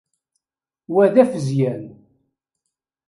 Wa d afezyan.